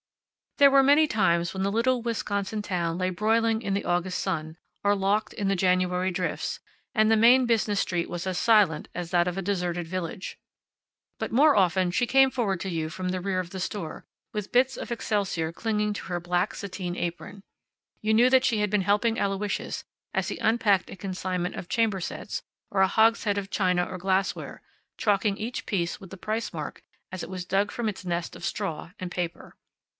There were many times when the little Wisconsin town lay broiling in the August sun, or locked in the January drifts, and the main business street was as silent as that of a deserted village. But more often she came forward to you from the rear of the store, with bits of excelsior clinging to her black sateen apron. You knew that she had been helping Aloysius as he unpacked a consignment of chamber sets or a hogshead of china or glassware, chalking each piece with the price mark as it was dug from its nest of straw and paper.